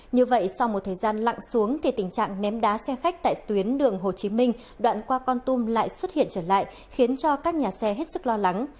như vậy sau một thời gian lặng xuống thì tình trạng ném đá xe khách tại tuyến đường hồ chí minh đoạn qua con tum lại xuất hiện trở lại khiến cho các nhà xe hết sức lo lắng